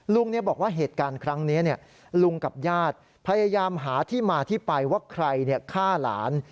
ลุงบอกว่าเหตุการณ์ครั้งนี้ลุงกับญาติพยายามหาที่มาที่ไปว่าใครฆ่าหลาน